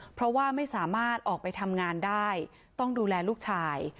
เพราะว่าไม่สามารถออกไปทำงานได้ต้องดูแลลูกชาย